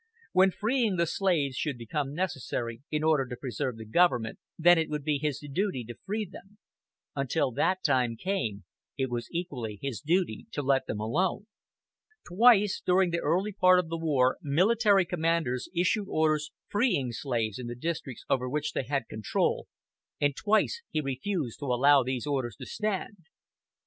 When freeing the slaves should become necessary in order to preserve the Government, then it would be his duty to free them; until that time came, it was equally his duty to let them alone. Twice during the early part of the war military commanders issued orders freeing slaves in the districts over which they had control, and twice he refused to allow these orders to stand.